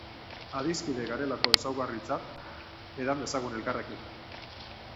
Adiskide garelako ezaugarritzat, edan dezagun elkarrekin.